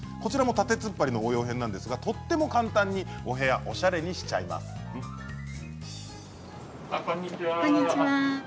縦つっぱりの応用編ですがとても簡単にお部屋をおしゃれにしちゃいます。